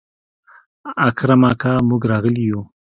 اکرم اکا موږ راغلي يو.